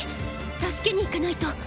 助けに行かないと。